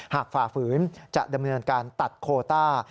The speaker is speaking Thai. ฝ่าฝืนจะดำเนินการตัดโคต้า